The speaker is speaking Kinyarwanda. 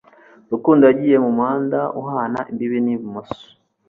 Rukundo yagiye mumuhanda uhana imbibi n'ibumoso